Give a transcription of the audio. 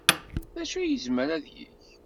D acu ay yezmer ad yeg?